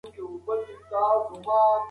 ناوخته خواړه د شکر کچه خرابوي.